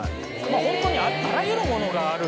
ホントにあらゆるものがあるんですよね。